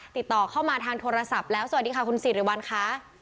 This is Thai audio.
ติดต่อเข้ามาทางโทรศัพท์แล้วสวัสดีค่ะคุณสิริวัลค่ะ